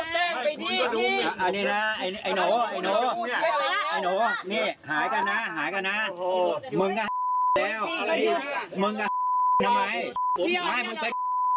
มึงก็ำไมมึงไปไปบ้านมึงเลยไป